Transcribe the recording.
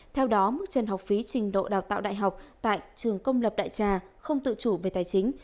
theo đó mức trần học phí trình độ đào tạo đại học tại trường công lập đại trà không tự chủ về tài chính